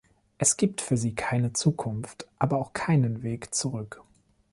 Es gibt für sie keine Zukunft, aber auch keinen Weg zurück.